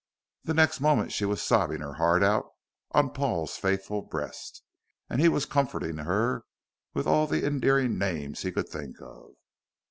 The next moment she was sobbing her heart out on Paul's faithful breast, and he was comforting her with all the endearing names he could think of.